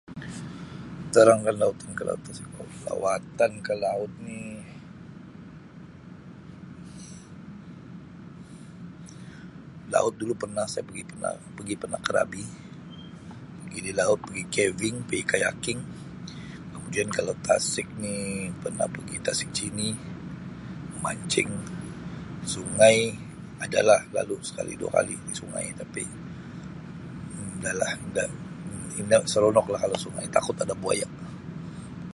"Terangkan lawatan ke laut, tasik atau lawatan ke laut ni laut dulu pernah saya pergi pernah pigi pernah Krabi pigi di laut pigi ""caving""pigi ""kayaking"" kemudian kalau tasik ni pernah pigi Tasik Chini memancing sungai adalah lalu sekali dua kali di sungai tapi nda la nda nda seronok lah kalau sungai takut ada buaya. "